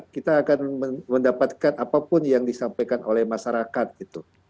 kita akan mendapatkan apapun yang disampaikan oleh masyarakat gitu